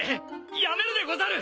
やめるでござる！